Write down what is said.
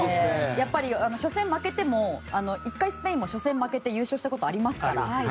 やっぱり初戦で負けても１回、スペインが初戦負けて優勝したことありますから。